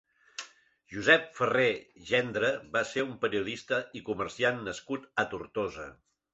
Josep Ferré Gendre va ser un periodista i comerciant nascut a Tortosa.